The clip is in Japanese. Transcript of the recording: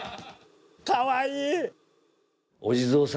かわいい！